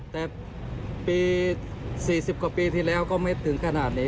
แต่ปี๔๐กว่าปีที่แล้วก็ไม่ถึงขนาดนี้